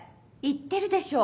言ってるでしょ。